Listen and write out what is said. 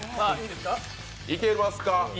いけますか？